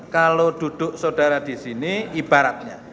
kalau duduk saudara disini ibaratnya